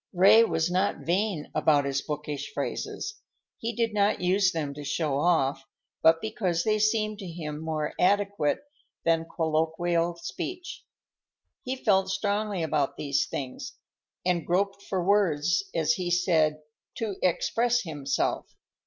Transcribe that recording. Ray was not vain about his bookish phrases. He did not use them to show off, but because they seemed to him more adequate than colloquial speech. He felt strongly about these things, and groped for words, as he said, "to express himself."